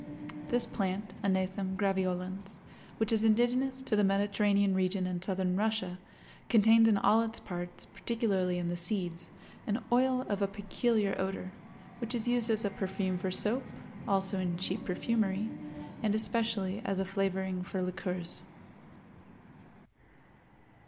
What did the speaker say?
This plant, Anethum graveolens, which is indigenous to the Mediterranean region and southern Russia, contains in all its parts, particularly in the seeds, an oil of a peculiar odor, which is used as a perfume for soap, also in cheap perfumery, and especially as a flavoring for liqueurs.